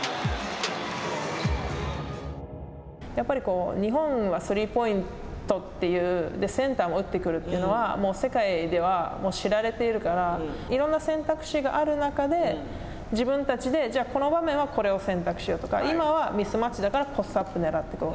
やっぱり日本は、スリーポイントっていう、センターも打ってくるというのは世界ではもう知られているから、いろんな選択肢がある中で自分たちで、じゃあこの場面、これを選択しようとか、今はミスマッチだから、ポストアップをねらっていこう。